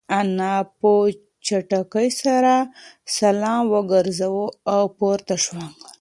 انا په چټکۍ سره سلام وگرځاوه او پورته شوه.